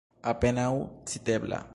Apenaŭ citebla.